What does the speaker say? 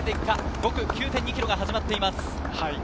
５区９．２ｋｍが始まっています。